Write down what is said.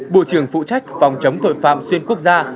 bộ trưởng phụ trách phòng chống tội phạm xuyên quốc gia